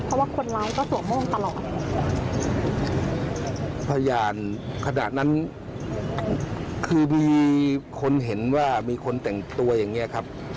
เพราะว่าคนร้ายก็สวมโม่งตลอดพยานขณะนั้นคือมีคนเห็นว่ามีคนแต่งตัวอย่างเงี้ยครับ